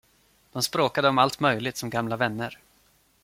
De språkade om allt möjligt som gamla vänner.